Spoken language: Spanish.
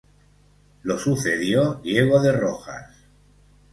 Lo sucedió Diego de Rojas.